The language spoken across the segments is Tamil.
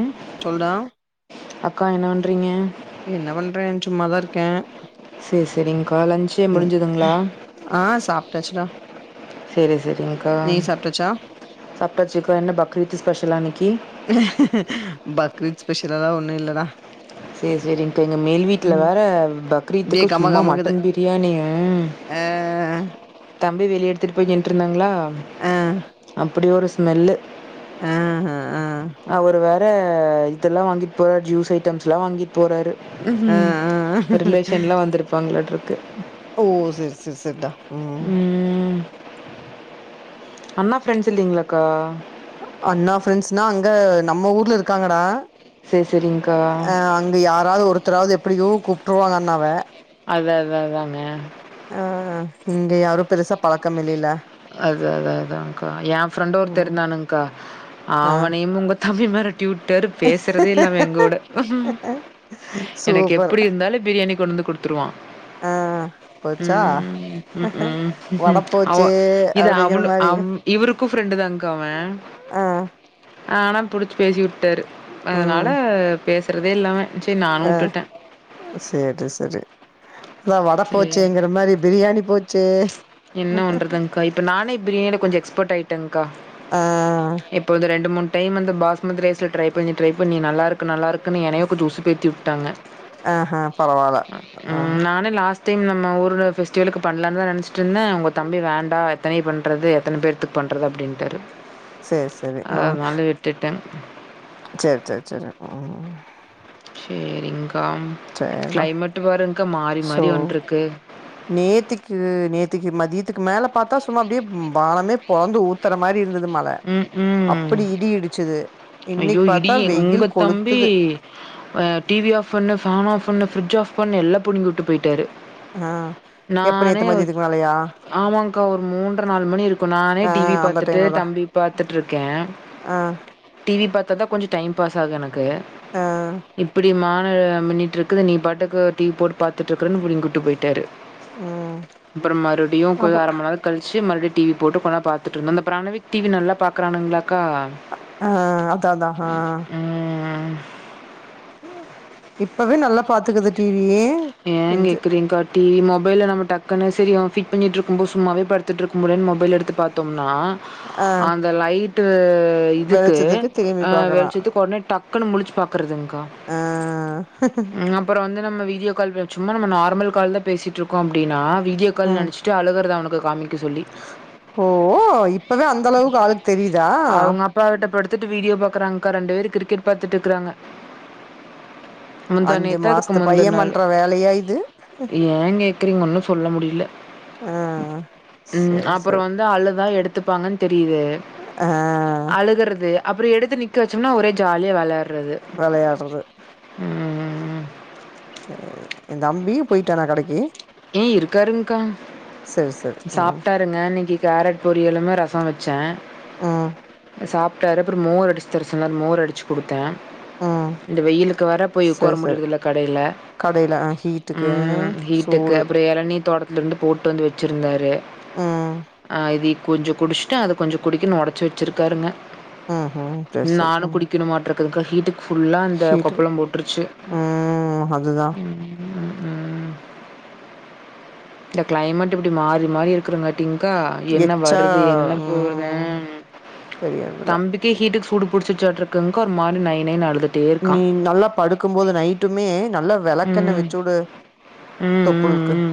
ம் சொல்டா அக்கா என்னவண்றீங்க என்ன பண்றே சும்மாதா இர்க்கே சேர் செரிங்க்கா லஞ்சே முடிஞ்சுதுங்ளா ஆ சாப்ட்டாச்சுடா செரி செரிங்கா நீ சாப்ட்டாச்சா சாப்ட்டாச்சுக்கா என்ன பக்ரீத்து ஸ்பெஷலா இன்னக்கி பக்ரீத் ஸ்பெஷலல்லா ஒன்னு இல்லதா சேர் செரி இப்ப எங்க மேல் வீட்ல வேற அப்டியே பக்ரீத்துக்கு கம சும்மா கமக்குது மட்டன் பிரியாணி ஆ தம்பி வெளியே எடுத்துட்டு போய நின்ட்ருந்தாங்களா ஆ அப்டி ஒரு ஸ்மெல்லு அ ஹ அ அவரு வேற இதல்லா வாங்கிட் போறற் ஜூஸ் ஐட்டம்ல்லா வாங்கி போறாரு ஆ ஆ ரிலேஷன்ல்லா வந்துருப்பாங்ளாட்டுக்கு ஓ சேர் சேர் சேர்டா ம் அண்ணா ஃப்ரெண்ட்ஸ் இல்லீங்களாக்கா அண்ணா ஃப்ரெண்ட்ஸ்னா அங்க நம்ம ஊர்ல இருக்காங்கடா சேர் செரிங்கா இங்க யாராது ஒருத்தராவ்து எப்புடியோ கூப்ட்ருவாங்க அண்ணாவ அத அத அதாங்க அ இங்க யாரு பெருசா பழக்கம் இல்லேல அத அத அதாக்கா ஏ ஃப்ரெண்ட்டு ஒருத்த் ம் இருந்தானுக்கா ஆ அவனியும் உங்க தம்பி மெரட்டி உட்டாரு பேசுறதே இல்ல அவே எங்கோட எனக்கு சூப்பர் எப்டி இருந்தாலு பிரியாணி கொண்டு வந்து குடுத்துருவா ஆ போச்சா ம் ம் ஹு வட ம் அவோ போச்சே இது அப்டிங்கிற அவுளு மாரி அவ் இவுருக்கு ஃப்ரெண்டு தாங்க்கா அவ ஆ ஆனா புடுச்சு பேசி உட்டாரு அதனால ம் பேசுறதே இல்ல அவ சேர் நானு ஆ உட்டுட்ட சேரி சரி அதா வட சரி. போச்சேங்குற மரி பிரியாணி போச்சே என்ன வண்ணுறதுங்க்கா இப்ப நானே பிரியாணி கொஞ்ச எக்ஸ்போட் ஆயிட்டங்கா ஆ எப் போ இது ரெண்டு மூண் டைம் வந்து பாஸ்மத் ரைஸ்ல ட்ரை பண்ணி ட்ரை பண்ணி நல்லிருக்கு நல்லாருக் கண்ணு என்னையே கொஞ்ச உசுப்பேத்தி விட்டாங்க ஆஹா பரவால்ல ஆ நானு நீ ஆச கிளீன் பண்ணே ஊர்ல பெஸ்டிவலுக்கு பண் எல்லாமே நெனைச்சிட்டு இருந்தே உங்க தம்பி வேண்டா எத்தனை பண்ணுறது எத்தனை பேர்த்தக்கு பண்ணுறது அப்படின்ட்டரு சேரி சேரி ம் அதுனால விட்டுட்டே சேரி சேரி சேரி ம் ம் சேரி்ங்க சேரிடா கிளைமேட் பாருங்க்கா மாறி சோ மாறி வன்டு இருக்கு நேத்திக்கு நேத்திக்கு மதியத்துக்கு மேல பாத்தா சும்மா அப்டியே வானமே பொழந்து ஊத்துற மாறி இருந்தது மழ பா ம்ஹ்ம். அப்டி இடி இடிச்சது இன்னைக்கு பாத்தா வெயில் கொளுத்துது ஆ டிவி ஆஃப் பண்ணு ஃபன் ஆஃப் பண்ணு பிரிஞ்ச ஆஃப் பண்ணு எல்லா பிடுங்கி விட்டு போயிட்டாரு ஆ எப்ப நேத்து மதியத்துக்கு மேலையா ஆமாக்கா ஒரு மூன்றை நாலு மணி இருக்கு நானே ஆ டிவி அந்த பாத்துட்டு டைம்லதா தம்பி பாத்துட்டு இருக்கே ஆ டிவி பாத்த தா கொஞ்ச டைம் பாஸ் ஆகுது எனக்கு ஆ இப்டி மானோ மின்னிட்டு இருக் கு நீ பாட்டுக்கு டிவி போட்டு பாத்துட்டு இருக்காறனு புடிங்கி விட்டு போயிட்டாரு ம் அப்ற மறுபடியு கொஞ்ச அப்றோ அரை மணி நேர கழிச்சி மறுபடி டிவி போட்டு கொஞ்ச நேர பாத்துருந்தே அந்த பிராணவிக் டிவி நல்லா பாக்கறானுங்களாக்கா ஆ அதாதா ஆ ம் ஓ இப்பவே நல்லா பாத்துக்குது டிவி ஏன் கொஞ்சு கேட்கிறீங்கா டிவி மொபைல நம்ம டக்குன்ன சரி ஃபிட் பண்ணி இருக்குபோது சும்மாவே படுத்துட்டுருக்க முடியேன்ன மொபைல் எடுத்து பாத்தோம்னா ஆ அந்த லைட்டு இதுக்கு வெளிச்சத்துக்கு திரும்பி ஆ பாக்குறா வெளிச்சத்துக்கு உடனே டக்குன்னு முழிச்சு பாக்குறதுங்க்கா ஆ அப்றே வந்து நம்ம வீடியோ கால் சும்மா நம்ம நார்மல் கால்ல பேசிட்டுருக்கோ அப்புடின்னா வீடியோ கால்னு ம் நெனச்சிட்டு அழுகுறது அவனுக்கு காமிக்க சொல்லி ஓ இப்ப தா அந்த அளவுக்கு ஆளு தெரியுதா அப்பா கிட்டபடுத்துட்டு வீடியோ பாக்குறாங்கக்கா ரெண்டு பேரு கிரிக்கெட் பாத்துட்டு இருக்கறாங்க அஞ்சு மாசத்து பைய பண்ற வேலையா இது ஏ கேக்குறீங்க ஒன்னு சொல்ல முடியல ஆ ம் சேரி அப்புற சேரி வந்து அழுதா எடுத்துப்பாங்கன்னு தெரியுது ஆ அழுகுறது அப்புற எடுத்து நிற்க வச்சோம்னா ஒரே ஜாலியாக விளயாட்றது விளையாடுறது ஏ தம்பியு போயிட்டானா கடைக்கு இ இருக்காருங்க்கா சேரி சேரி ம் சாப்டாரு நா இன்னைக்கு கேரட் பொரியளுங்க ரச வச்சே ஆ சாப்டாரு அப்ற மோர் அடிச்சு தர சொன்னாரு மோர் அடிச்சு கொடுத்தே ம் இந்த வெயிலுக்கு வேற போயி உட்கார சேரி சேரி முடியுறது இல்ல கடையில கடையில ஆ ஹீட்டுக்கு ஆ சூடு அப்புறே இளநீ தோட்டத்தில இருந்து போட்டு வந்து வச்சிருந்தாரு ம் அதை கொஞ்ச குடிச் சுட்டு அத கொஞ்ச குடிக்கனு உடைச்சி வச்சிருக்காரு ம்ஹூம் சேரி சேரி நானு ம் குடிக்கணு மாட்ருக் கு ஹீட்டுக்கு புல்லா அந்த ஹீட்டுக்கு கொப்புளா போட்டுருச்சு ம் அதுதா ம் ம் இந்த கிளைமேட் இப்டி மாறி மாறி இருக்கிறங்குற கா என்ன எச்சா வருது என்ன போறது ம் தெரியறதுல தம்பி ஹீட்டுக்கு சூடு புடிச்சாசாட்டுருக்குங்கக்கா ஒரு மாரி நைய் நைய்னு அழுதுட்டு நீ நல்லா படுக்கும் போது நைட்டுமே நல்லா வெளக்கெண்ண ம். வச்சுவுடு ம், ம், தொப்புளுக்கு ம்.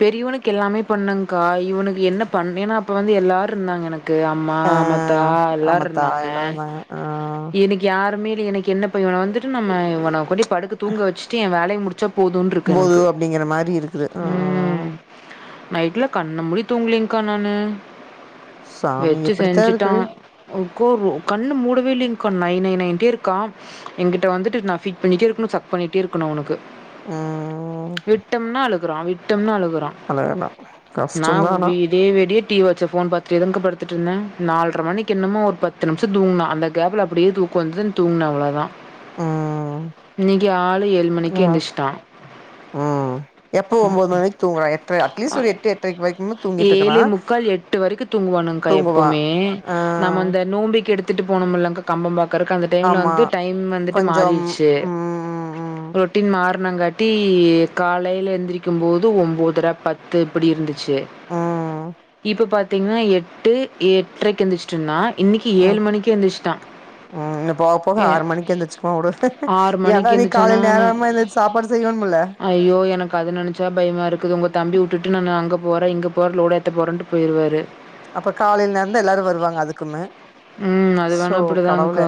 பெரியவனுக்கு எல்லாமே பண்ணேக்கா இவனுக்கு என்ன பண்ண ஏனா அப்ப வந்து எல்லாரு இருந்தாங்க எனக்கு அம்மா ஆ அத்தா எல்லாரு ஆமாத்தா இருந்தாங்க எல்லா இருந்தாங்க ஆ எனக்கு யாருமே இல்ல எனக்கு என்ன பய இவன வந்துட்டு நம்ம இவன கொண்டு படுக்க தூங்க வச்சுட்டு வேலய முடிச்சா போதுன்னு இருக்கு போது எனக்கு அப்டிங்கிற மாரி இருக்குது ம் நைட்லா கண்ண மூடி தூங்கலீங்க்கா நானு சாமி வெச்சு எப்டித்தா செஞ்சுட்டா இருக்குது கோ கண்ணு மூடவே இல்லைங்க்கா நை நை நைன்ட்டே இருக்கா என்கிட்ட வந்துட்டு நா ஃபீட் பண்ணிட்டே இருக்கு சப் பண்ணிட்டே இருக்கணு அவனுக்கு ம் விட்டம்னா அழுகுறா விட்டம்னா அழுகுறா அழகடா நா கஷ்டந்தா ஆனா வீ விடிய விடிய டி வச்சு ஃபோன் பாத்துட்டே தா கா படுத்துட்ருந்தே நால்ர மணிக்கு என்னமோ ஒரு பத்து நிமிஷோ தூங்குனே அந்த கேப்ல அப்டியே தூக்க வந்துச்சுனு தூங்குனே அவ்ளோதா ம் இன்னைக்கு ஆள் ஆ ம் எப்பொவு ஒம்போது ம தூங்கலா எட்ர அட்லீஸ்ட் ஒரு எட்டு எட்ரைக்கு வரைக்குமே தூங்கிட்ருக்குறா ஏழே முக்கால் எட்டு வரைக்கு தூங்குவானுக்கா தூங்குவா எப்போமே ஆ நம்ம அந்த நோம்பிக்கு எடுத்து கத்துட்டு போனமுல்லங்க்கா கம்பம் பாக்குறக்கு அந்த டைம்ல ஆமா வந்துட்டு டைம் வந்துட்டு கொஞ்சம் மாறிருச்சு ம் ம் ரொட்டின் மார்னங்காட்டி காலையில எந்திருக்கும்போது ஒம்போதர பத்து இப்டி இருந்துச்சு ம் இப்ப பாத்தீங்கன்னா எட்டு எட்ரைக்கு எந்திருச்சிட்ருந்தா இன்னைக்கு ஏழு மணிக்கு எந்திருச்சுட்டா ம் இன்னு போக போக ஆறு மணிக்கு எந்திருச்சுக்குவா விடு ஏனா மணிக்கு நீ எந்திரிச்சானா, காலைல நான் நேரமா எந்திரிச்சு சாப்பாடு செய்யணும்ல ஐயோ எனக்கு அத நெனச்சா பயமா இருக்குது உங்க தம்பி வுட்டுட்டு நா அங்க போறே இங்க போ பொருள் லோட் ஏத்த போறேன்னு போயிருவாரு அப்ப காலையில நேரந்தா எல்லாரு வருவாங்க அதுக்குமே ம். அது சோ வேணா கடவுளே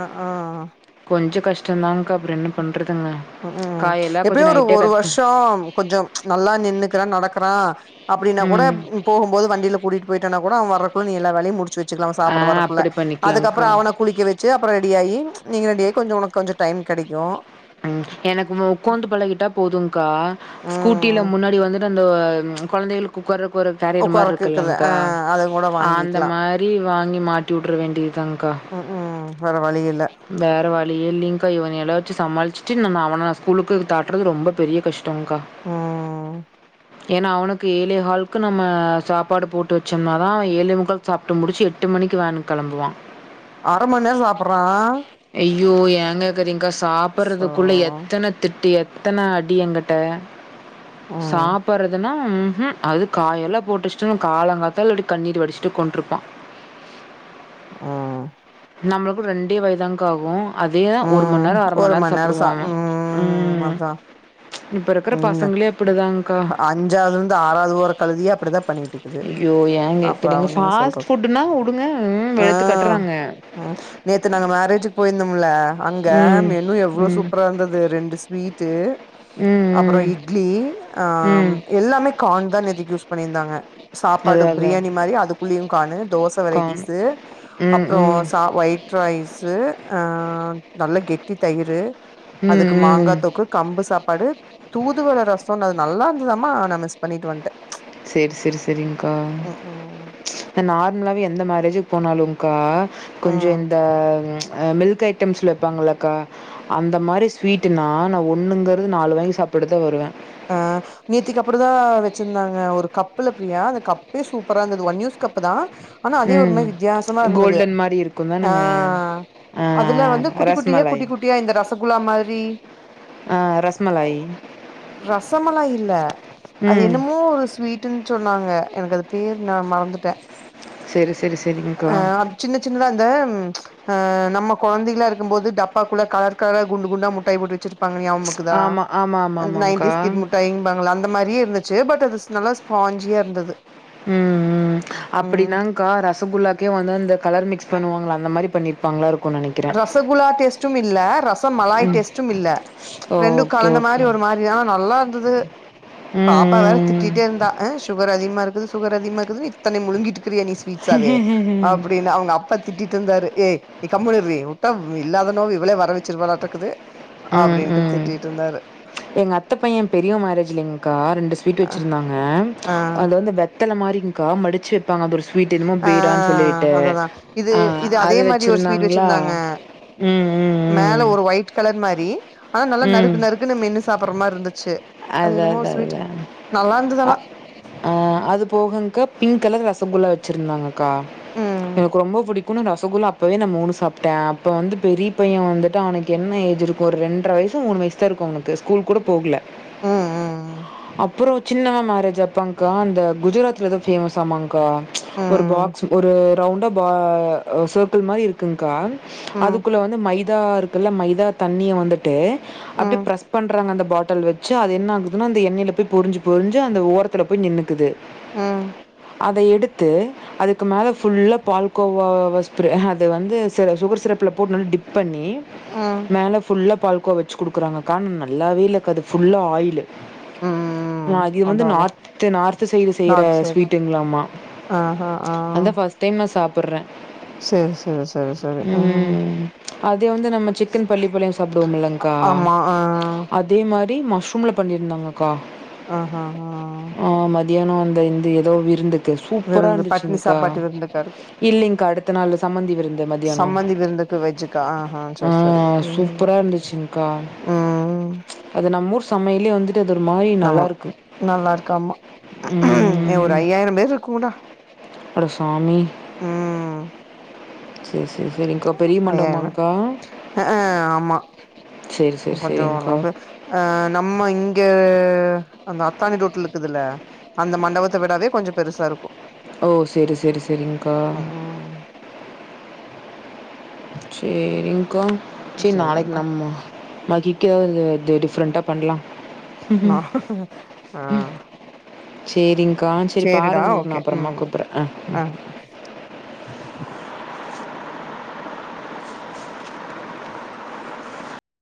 அ ஆ கொஞ்சோ கஷ்டோ தான்கா அப்புறோ என்ன பண்றதுங்க ம் காயெல்லா கொஞ்சோ எப்பயோ ஒரு நைட்டே ஒரு கட் வருஷோ கொஞ்சோ நல்லா நின்னுக்ரே நடக்குறா அப்டின்னா கூட ம். போகும்போது வண்டியில கூட்டிட்டு போயிட்டோனா கூட அவெ வரக்குள்ள நீ எல்லா வேலையு முடிச் ச்சு வச்சுலா ஆ சாப்ட வரக்குள்ள அப்படி அதுக்கப்புறோ பண்ணிக்கலாம்க்கா. அவனுக் குளிக்க வச்சு அப்புறோ ரெடி ஆகி நீங்க ரெடி ஆகி கொஞ்சோ உனக்கு கொஞ்சோ டைம் கிடைக்கு ம் எனக்கு உக்காந்து பழகிட்டா போதும்கா ஸ்கூட்டியில ம் முன்னாடி வந்துட்டு அந்த குழந்தைகளுக்கு உக்காரக்கு ஒரு கரியர் மாரி உக்காரக்கு இருக்குது ஆ இருக்குல்லங்கா அத கூட அந்த வாங்கிக்கலா மாரி வாங்கி மாட்டி வுட்டற வேண்டியதுதாங்க்கா ம் ம் வேற வழி இல்ல வேறு வழியே இல்லிங்கா இவனல்லா வச்சு சமாளிச்சிட்டு நம்ம அவன ஸ்கூலுக்கு காட்டுறது ரொம்ப பெரிய கஷ்டோ டோங்கா ம் ஏன்னா அவனுக்கு ஏழேஹாலுக்கு நம்ம சாப்பாடு போட்டு வச்சோம்னா தா அவெ ஏழே முக்கால் சாப்ட்டு முடிச்சு எட்டு மணிக்கு வேனுக் கிளம்புவா அர மண் நேரோ சாப்பட்றா அய்யோ ஏன்னே தெரிக்கா சாப் சோ அதுக்குள்ள எத்தன திட்டு எத்தன அடி எங்கிட்ட ம் சாப்பிறதுனா ம்ஹு அது காயெல்லா போட்டுவச்சுட்டோன்னா காலங்காத்தால இப்டி கண்ணீர் வடிச்சிட்டு உக்காந்துட்டுண்டுருப்பா ம் நம்மளுக்கு ரெண்டே வாய்தான்ங்கா ஆகு அதயே ஒரு மண் ம் நேரோ அர மண் ஒரு நேரோ சாப்பிடுவா சா அவ ம் இப்ப இருக்கிற உண்ம பசங்களே அப்டிதான்க்கா. அஞ்சாவ்துருந்து ஆறாவ்து போற கழுதயே அப்படிதா பண்ணிக்கிட்ருக் ஐயோ ஏன் கேக்குறிங்க பாஸ்ட் ஃபுட்டுன்னா உடனே ம் ஆ வெளுத்து கட்றாங்க ம் நேத்து நாங்க மேரேஜ்க்கு போயிருந்தோம்ல அங்க ம். மெனு எவ்ளோ ம். சூப்பரா தந்தது ஒர் ரெண்டு ஸ்வீட்டு ம். அப்புறோ ம். இட்லி ஆ ம். எல்லாமே கார்ன் தா நேத்துக்கு யூஸ் பண்ணியிருந்தாங்க சாப்பாடு அதான் அதான். பிரியாணி மாரி அதுக்குள்ளயு கார்ன்னு தோச காணும். வெரைட்டிஸ்ஸு ம். அப்றோ ம். சா ஒயிட் ரைஸு ஆ நல்லா கெட்டி தயிரு ம். அதுக்கு மாங்கா ம். தொக்கு கம்பு சாப்பாடு தூதுவல ரசோன்னு அது நல்லா இருந்ததமா நா மிஸ் பண்ணிட்டு வந்ட்ட செரி செரி செரிங்க்கா ம் இந்த நார்மலாவவே எந்த மேரேஜுக்கு போனாலும் கா கொஞ்சோ ம் இந்த மில்க் ஐட் டம்ஸ்ல வெப்பாங்களக்கா அந்த மாரி ஸ்வீட்டுனா நா ஒன்னுங்கிறது நாலு வாங்கி சாப்ட்டுட்டு தா வருவ ஆ நேத்திக்கு அப்புடி தா வெச்சிருந்தாங்க ஒரு கப்புல பிரியா அந்த கப்பே சூப்பரா இருந்தது ஒன் யூஸ் கப்பு தா ஆனா அதே ம். ஒரும வித்தியாசமா இருந்தது கோல்டன் மாரி இருக்கும் ஆ தானங்க. ஆ அதுல வந்து குட்டி குட்டியே ரஸ்மலாய். குட்டி குட்டியா இந்த ரசகுல்லா மாரி ஆ ரசமலாயி ரசமலாய் இல்ல அது ம். என்னமோ ஒரு ஸ்வீட் டுன் சொன்னாங்க எனக்கு அது பேர் நா மறந்துட்ட செரி செரி செரிங்க்கா சின்ன சின்னதா அந்த ஆ நம்ம கொழந்தைய்லா இருக்கும் போது டப்பாக்குள்ள கலர் கலரா குண்டு குண்டா முட்டாய் போட்டு வச்சிருப் பாங்க ஞாம் இருக்குதா ஆமா, ஆமா, ஆமா, அந்த ஆமாங்க்கா. நைன்ட்டிஸ் கிட் மிட்டாய்யிங் விப்பாங்கள அந்த மாரியே இருந்துச்சு பட் அது நல்லா ஸ்பாஞ்சியா இருந்தது ம் ம் ம் அப்படின்னா கா ரசகுல்லாக்கே வந்து அந்த கலர் மிக்ஸ் பண்ணுவாங்கள அந்த மாரி பண்ணிருப்பாங்ளா இருக் ரசகுலா டேஸ்ட்டும் இல்ல ரசமலாய் ம் டேஸ்ட்டும் இல்ல ரெண்டும் ஓகே கலந்த மாரி ஓகே ஒரு மாரியா ஆனா நல்லா இருந்தது பாப்பா வேற ம் திட்டிட்டே இருந்தா ஆ சுகர் அதிகமா இருக்குது சுகர் அதிகமா இருக்குதுன்னு இத்தன முழுங்கிட்டுக்கிறியா நீ ம் ஸ்வீட்ஸாவே ம் அப்படின்னு அவங்க அப் அப்பா திட்டிட்டு இருந்தாரு ஏ கம்முனு இருடி உட்டா இல்லாத நோவ் இவளே வர வச்சிருவாறாட்றக்குது ம் அப்டின்ட்டு ம் திட்டிட்ருந்தாரு எங்க அத்த பைய பெரியவன் மேரேஜ்லைங்க்கா ரெண்டு ஸ்வீட்டு வச்சிருந்தாங்க ஆ அதுல வந்து அந்த வெத்தல மாரிங்க்கா மடிச்சு வெப்பாங்க அது ஒரு ஸ்வீட்டு என்னமோ ஆ பீடான்னு சொல்லிட்டு அததா இது ஆ இது அதே அது மாரி ஒரு ஸ்வீட் வச்சிருந்தாங்ளா வச்சிருந்தாங்க மேல ஒரு ஒயிட் கலர் மாரி ஆனா நல்லா ம் ம் நறுக்கு நறுக்குன்னு மென்னு சாப்பற மாரி இந்துச்சு அது அதா என்னமோ ஒரு அதா ஸ்வீட்டு அதா நல்லா இருந்தது ஆனா ஆ அது போகுங்க்கா பிங்க் கலர் ரசகுல்லா வச்சிருந்தாங்கக்கா ம் எனக்கு ரொம்ப பிடிக் கும் ரசகுல்லா அப்பவே நா மூணு சாப்ட்ட அப்ப வந்து பெரிய பைய வந்துட்டு அவனுக்கு என்ன ஏஜ் இருக்கும் ஒரு ரெண்ட்ர வயசு மூணு வய்சு செரிக்கும் அவங்கள்க்கு ஸ்கூல் கூட போகுல ம் ம் ம் அப்புறோ சின்னவ மேரேஜ் அப்பங்க்கா அந்த குஜராத்ல எதோ ஃபேமஸ்ஸாமாங்க்கா ஒரு ம், பாக்ஸ் ஒரு ரவுண்டா பா சர்க்கிள் மாரி இருக்குங்க்கா ம், அதுக்குள்ள வந்து மைதா இருக்குல்ல மைதா தண்ணிய வந்துட்டு அது ம், ப்ரஸ் பண்றாங்க அந்த பாட்டில் வ வெச்சி அது என்ன ஆகுதுன்னோ அந்த எண்ணெயில போய் பொரிஞ்சி பொரிஞ்சி அந்த ஓரத்துல போய் நின்னுக்குது ம் அத எடுத்து அதுக்கு மேலே ஃபுல்லா பால்கோவ ஸ்ப்ரே அது வந்து ச சுகர் சிரப்புல போட்டு நல்லா டிப் பண்ணி அ மேலே ஃபுல்லா பால்கோவா வெச்சி குடுக்குறாங்கக்கா நல்லாவே இல்ல அது ஃபுல்லா ஆயிலு ஆ ம். இது வந்து அதான், அதான். நார்த் நார்த்து சைடு செய்யற ஸ்வீட்டுங்களாமா ஆ ஹா ஆ அதா ஃபர்ஸ்ட் டைம் நா சாப்புட்ற சரி, சரி, சரி, சரி. ஆ. ம் அது வந்து நம்ம சிக்கன் பள்ளிபாளையோ சாப்டுவோம் இல்லைங்கா ஆமா. ஆ. அதே மாதிரி மஷ்ரூம்ல பண்ணி இருந்தாங்கக்கா ஆ ஹா ஆ ஆ ஆ மதியானோ அந்த இந்து ஏதோ விருந்து சூப்பரா விருந்து பட்னி இருந்துச்சுங்கா சாப்பாட்டு விருந்துக்கா இருக்கு. இல்லைங்கா அடுத்த நாள் சம்மந்தி விருந்து மத்தியானோ சம்மந்தி விருந்துக்கு வெஜ்ஜுக்கா? ஆஹா, ஆ சரி, சரி. ஆ ம், சூப்பரா இருந்துச்சுங்கா ம். அது நம்ம ஊர் சமையல்லியே வந்துட்டு அது ஒரு மாரி நல்லா இருக்கு க்கும் ஒரு ஐயாயிரம் பேர் இருக்குங்கடா அட சாமி ம் சரி, சரி, சரிங்க்கா. பெரிய அ மண்டபமாங்க்கா? ஆ ஆமா சரி, சரி, கொஞ்சோ சரிங்க்கா. ஓரளவுக்கு அ நம்ம இங்க அந்த அத்தானி ரோட்டுல இருக்குதுல்ல அந்த மண்டபத்த விடாவே கொஞ்சோ பெருசா இருக்கு ஓ செரி செரி செரிங்கா ம் ம் சேரிங்கா சேர் நாளைக்கு சேரிடா நம்ம மகிக்காத டேட்டே ஃப்ரெண்டா பண்லா நா ஆ சேரிங்கா சேரி சேரிடா பாருங்க உங்களுக்கு நா அப்பறமா ம் கூப்புட்ற ஆ ஆ ஓகே